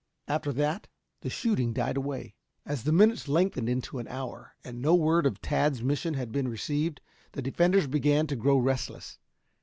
After that, the shooting died away. As the minutes lengthened into an hour, and no word of Tad's mission had been received, the defenders began to grow restless.